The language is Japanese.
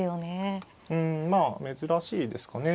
うんまあ珍しいですかね。